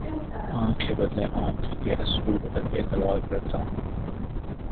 آنکھ کے بدلے آنکھ کے اصول پر اعتبار کرتا ہوں